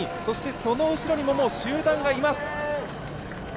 その後ろにも集団がいます。